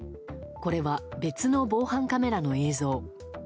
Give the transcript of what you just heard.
これは別の防犯カメラの映像。